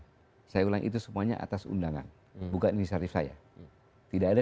atas undangan saya ulangi itu semuanya atas undangan bukan ini syarif saya tidak ada